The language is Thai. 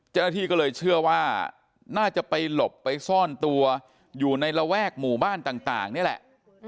เจ้าหน้าที่ก็เลยเชื่อว่าน่าจะไปหลบไปซ่อนตัวอยู่ในระแวกหมู่บ้านต่างนี่แหละ